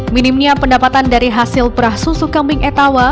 minimnya pendapatan dari hasil perah susu kambing etawa